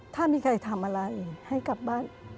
ถ้ามีใครทำอะไรให้กลับบ้าน